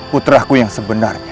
putraku yang sebenarnya